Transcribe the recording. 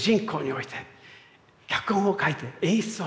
脚本を書いて演出をして。